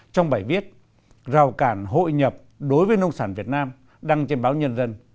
trong bài viết rào cản hội nhập đối với nông sản việt nam đăng trên báo nhân dân